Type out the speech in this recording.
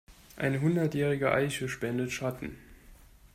Eine hundertjährige Eiche spendet Schatten.